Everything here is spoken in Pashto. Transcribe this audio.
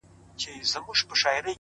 هغه چي ټوله ژوند کي چوپه خوله پاته دی”